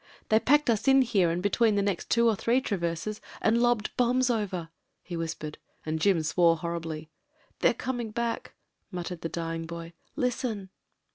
"They packed us in here and between the next two or three traverses and lobbed bombs . over," he whis pered. And Jim swore horribly. ''They're coming back," muttered the dying boy. "Listen."